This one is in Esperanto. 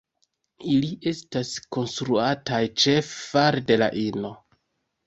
Ili estas konstruataj ĉefe fare de la ino.